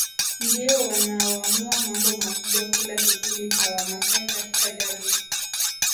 ndio wanaoamua mambo makubwa kila kikundi cha Wamasai Katika jadi